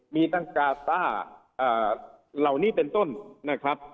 มีตั้งการ์เตอร์เราเนี่ยเป็นต้นนะครับ